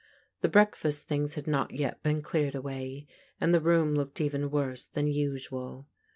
The breakfast things had not yet been cleared away, and the room looked even worse than usual.